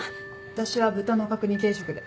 私は豚の角煮定食で。